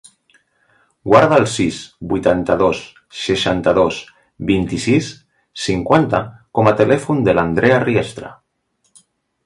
Guarda el sis, vuitanta-dos, seixanta-dos, vint-i-sis, cinquanta com a telèfon de l'Andrea Riestra.